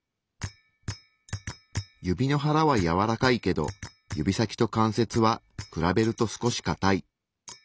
指の腹はやわらかいけど指先と関節は比べると少しかたい。